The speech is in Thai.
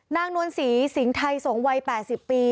นวลศรีสิงห์ไทยสงศ์วัย๘๐ปี